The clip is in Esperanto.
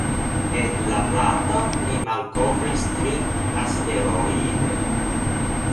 En La Plata li malkovris tri asteroidojn.